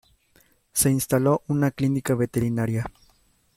Se instaló una clínica veterinaria.